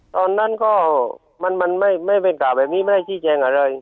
ตอนนั้นก็มันไม่เป็นข่าวแบบนี้ไม่ให้ชี้แจงอะไร